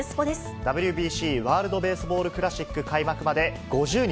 ＷＢＣ・ワールドベースボールクラシック開幕まで５０日。